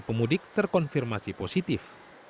pemudik terkonfirmasi positif